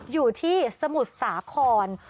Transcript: อยู่ที่สมุทรสาคร